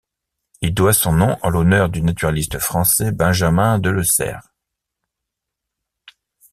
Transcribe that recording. Il doit son nom en l'honneur du naturaliste français Benjamin Delessert.